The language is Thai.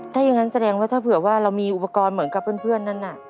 ถ้าอย่างนั้นแสดงว่าถ้าเผื่อว่าเรามีอุปกรณ์เหมือนกับเพื่อนนั้นน่ะ